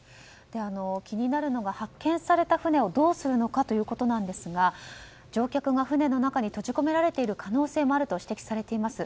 気になるのが発見された船をどうするのかということなんですが乗客が船の中に閉じ込められている可能性もあると指摘されています。